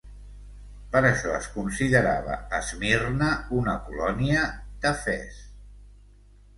Per això es considerava Esmirna una colònia d'Efes.